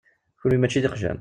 Kunwi mačči d iqjan.